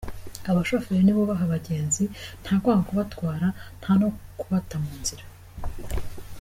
Abashoferi nibubahe abagenzi nta kwanga kubatwara, nta no kubata mu nzira.